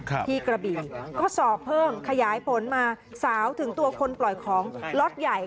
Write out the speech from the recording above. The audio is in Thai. ที่กระบี่ก็สอบเพิ่มขยายผลมาสาวถึงตัวคนปล่อยของล็อตใหญ่